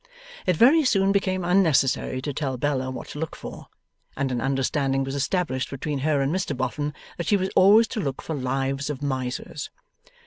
It very soon became unnecessary to tell Bella what to look for, and an understanding was established between her and Mr Boffin that she was always to look for Lives of Misers.